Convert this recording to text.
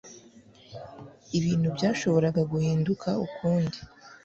Ibintu Byashoboraga Guhinduka Ukundi